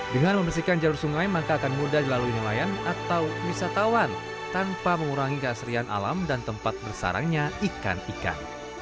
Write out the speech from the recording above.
dengan membersihkan jalur sungai maka akan mudah dilalui nelayan atau wisatawan tanpa mengurangi keasrian alam dan tempat bersarangnya ikan ikan